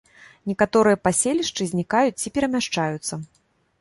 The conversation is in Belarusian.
Некаторыя паселішчы знікаюць ці перамяшчаюцца.